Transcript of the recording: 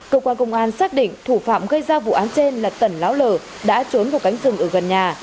cơ quan công an xác định thủ phạm gây ra vụ án trên là tần láo lở đã trốn vào cánh rừng ở gần nhà